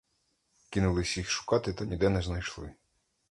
Кинулись їх шукати, та ніде не знайшли.